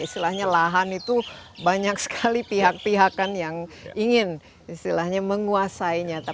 istilahnya lahan itu banyak sekali pihak pihakan yang ingin istilahnya menguasainya